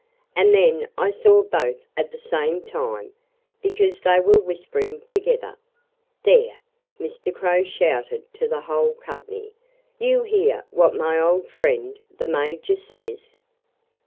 "And then I saw both at the same time, because they were whispering together." "There!" Mr. Crow shouted to the whole company. "You hear what my old friend the Major says?"